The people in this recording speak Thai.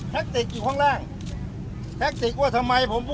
ติกอยู่ข้างล่างแท็กติกว่าทำไมผมพูด